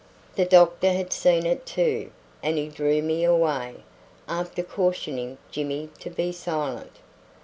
The doctor had seen it too, and he drew me away, after cautioning Jimmy to be silent.